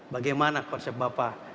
bagaimana konsep bapak